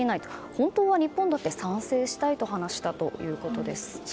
本当は日本だって賛成したいと話したということです。